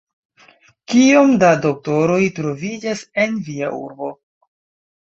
Kiom da doktoroj troviĝas en via urbo?